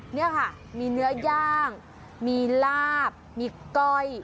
นี่ค่ะมีเนื้อย่างมีลาบมีก้อย